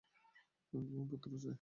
আমি পুত্র চাই।